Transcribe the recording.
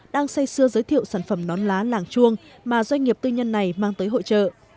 đang xây xưa giới thiệu sản phẩm nón lá làng chuông mà doanh nghiệp tư nhân này mang tới hội trợ